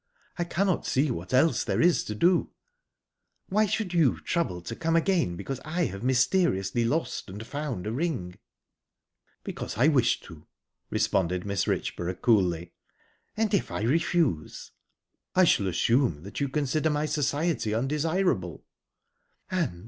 I cannot see what else there is to do." "Why should you trouble to come again because I have mysteriously lost and found a ring?" "Because I wish to," responded Mrs. Richborough, coolly. "And if I refuse?" "I shall assume that you consider my society undesirable." "And...?"